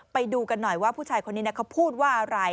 ไปดูกันหน่อยว่าผู้ชายคนนี้เขาพูดว่าอะไร